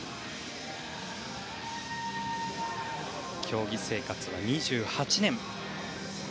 競技生活は２８年。